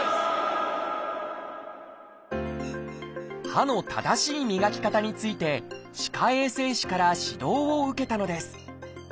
歯の正しい磨き方について歯科衛生士から指導を受けたのです。